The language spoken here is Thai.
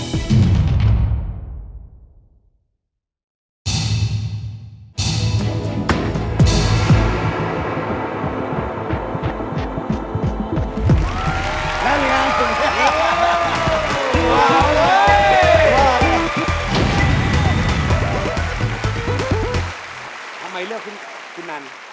ทำไมเลือกคุณนัน